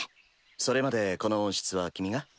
それまでこの温室は君が？